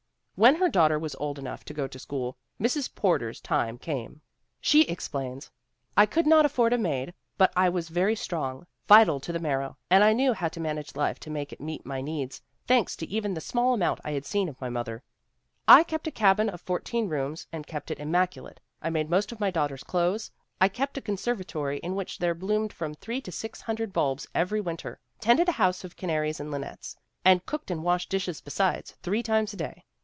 When her daughter was old enough to go to school, Mrs. Porter's time came."; She explains :" 'I could not afford a maid, but I was very strong, vital to the marrow, and I knew how to manage life to make it meet my needs, thanks to even the small amount I had seen of my mother. I kept a cabin of fourteen rooms, and kept it im maculate. I made most of my daughter's clothes, I GENE STRATTON PORTER 95 kept a conservatory in which there bloomed from three to six hundred bulbs every winter, tended a house of canaries and linnets, and cooked and washed dishes besides three times a day.